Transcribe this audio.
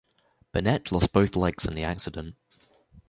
Bennett lost both legs in the accident.